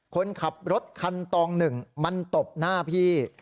คนขับรถคันตองหนึ่งมันตบหน้าพี่